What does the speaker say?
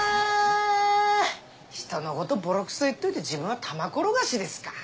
人のことボロクソ言っといて自分は球転がしですか。